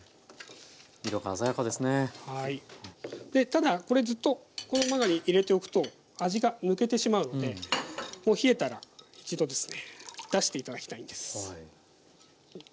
ただこれずっとこの中に入れておくと味が抜けてしまうのでもう冷えたら一度ですね出して頂きたいんです。